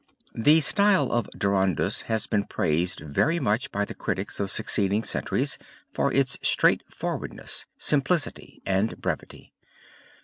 The style of Durandus has been praised very much by the critics of succeeding centuries for its straightforwardness, simplicity and brevity.